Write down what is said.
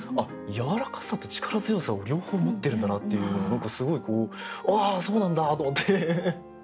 「柔らかさ」と「力強さ」を両方持ってるんだなっていう何かすごい「ああそうなんだ！」と思って。